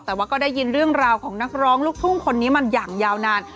แต่ว่าก็ได้ยินเรื่องราวของนักร้องลูกทุ่งคนนี้มาอย่างยาวนาน